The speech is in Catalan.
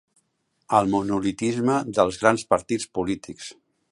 El monolitisme dels grans partits polítics.